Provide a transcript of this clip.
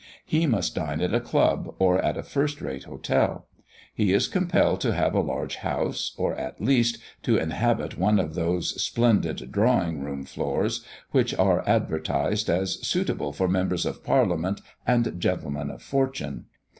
He must dine at a club, or at a first rate hotel. He is compelled to have a large house, or, at least, to inhabit one of those "splendid drawing room floors," which are advertised, as "suitable for members of Parliament and gentlemen of fortune."